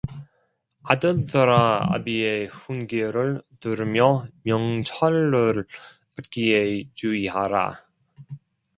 아들들아 아비의 훈계를 들으며 명철을 얻기에 주의하라